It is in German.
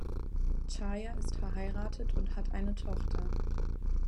Czaja ist verheiratet und hat eine Tochter.